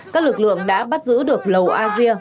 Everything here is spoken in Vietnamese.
các lực lượng đã bắt giữ được lầu asia